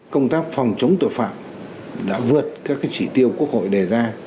công tác phòng chống tội phạm đã vượt các chỉ tiêu quốc hội đề ra